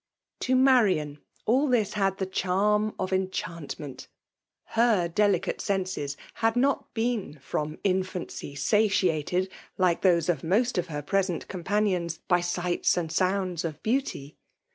To Marian, ail this had the charm of en chantment Her delicate senses had not been firom infancy satiated, like those of most of her present companions, by sights and sounds of beauty.